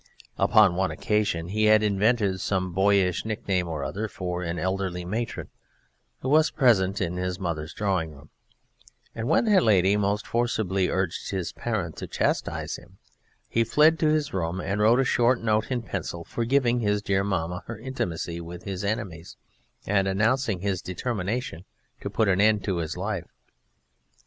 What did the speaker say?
Upon one occasion he had invented some boyish nickname or other for an elderly matron who was present in his mother's drawing room, and when that lady most forcibly urged his parent to chastise him he fled to his room and wrote a short note in pencil forgiving his dear mamma her intimacy with his enemies and announcing his determination to put an end to his life.